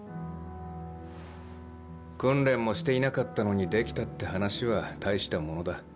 訓練もしていなかったのにできたって話は大したものだ。